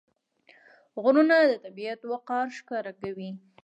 غرونه د طبیعت وقار ښکاره کوي.